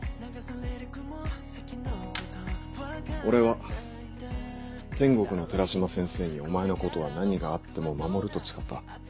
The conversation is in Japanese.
俺は天国の寺島先生にお前のことは何があっても守ると誓った。